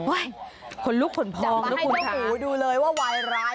โอ๊ยขนลุกขนพองลูกคุณค่ะจับมาให้เจ้าหมูดูเลยว่าวายร้าย